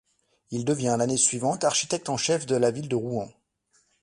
Il devient l'année suivante architecte en chef de la ville de Rouen.